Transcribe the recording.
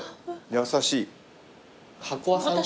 優しい。